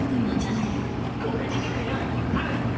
これ見てくれよハル。